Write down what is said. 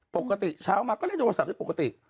ปกติเช้ามาก็เล่นโทรศัพท์ได้ปกติ